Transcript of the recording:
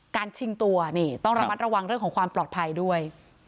ชิงตัวนี่ต้องระมัดระวังเรื่องของความปลอดภัยด้วย